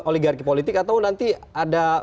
oligarki politik atau nanti ada